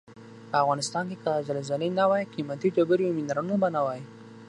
په افغنستان کې که زلزلې نه وای قیمتي ډبرې او منرالونه به نه وای.